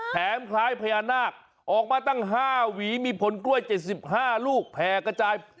แถมคล้ายพญานาคออกมาตั้งห้าหวีมีผลกล้วยเจ็ดสิบห้าลูกแพ้กระจาย